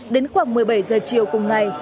đến khoảng một mươi bảy h chiều cùng ngày